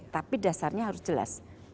tapi dasarnya harus jelas